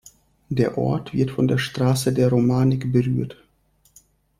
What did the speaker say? Der Ort wird von der Straße der Romanik berührt.